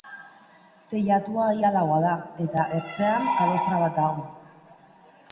Teilatua ia laua da, eta, ertzean, kalostra bat dago.